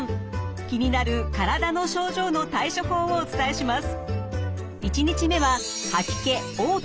気になる体の症状の対処法をお伝えします。